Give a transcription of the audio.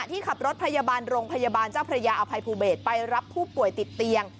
ที่ขับรถพยาบาลโรงพยาบาลเจ้าพระยาอภัยภูเบศไปรับผู้ป่วยติดเตียง